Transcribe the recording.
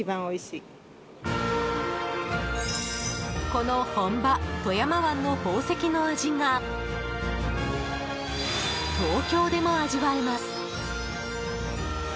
この本場・富山湾の宝石の味が東京でも味わえます！